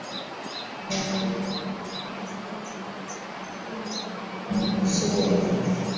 Yakuba amatoffaali lukumi mu kusooka.